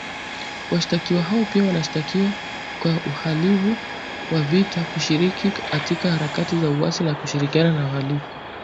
washtakiwa hao pia wanashtakiwa kwa uhalivu wa vita kushiriki katika harakati za uasi na kushirikiana na wahalifu